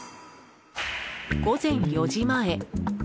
午前４時前。